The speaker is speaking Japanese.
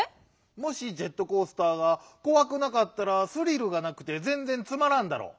もしジェットコースターがこわくなかったらスリルがなくてぜんぜんつまらんだろ。